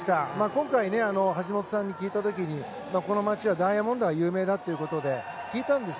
今回、橋本さんに聞いた時にこの街はダイヤモンドが有名だということで聞いたんです。